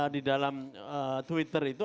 di dalam twitter itu